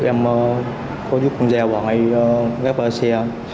em có giúp con dèo vào ngay gác ba xe